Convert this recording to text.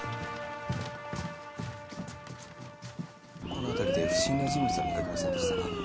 この辺りで不審な人物は見かけませんでしたか？